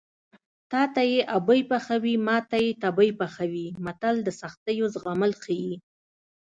تاته یې ابۍ پخوي ماته یې تبۍ پخوي متل د سختیو زغمل ښيي